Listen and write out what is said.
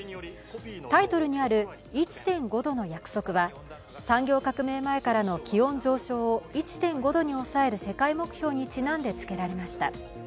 タイトルにある「１．５℃の約束」は産業革命前からの気温上昇を１．５度に抑える世界目標にちなんでつけられました。